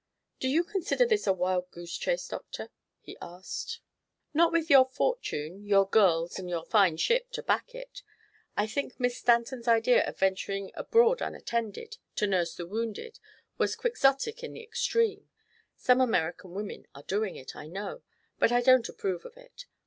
"Do you consider this a wild goose chase, Doctor?" he asked. "Not with your fortune, your girls and your fine ship to back it. I think Miss Stanton's idea of venturing abroad unattended, to nurse the wounded, was Quixotic in the extreme. Some American women are doing it, I know, but I don't approve of it.